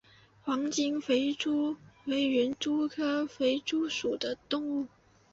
黄金肥蛛为园蛛科肥蛛属的动物。